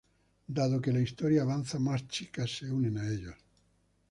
Dado que la historia avanza, más chicas se unen a ellos.